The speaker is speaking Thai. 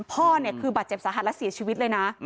พ่อเนี่ยคือบาดเจ็บสาหัสและเสียชีวิตเลยนะ